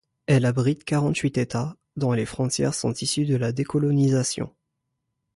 Elle abrite quarante-huit États, dont les frontières sont issues de la décolonisation.